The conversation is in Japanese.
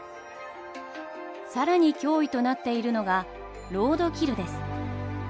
更に脅威となっているのがロードキルです。